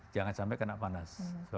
jangan sampai kena panas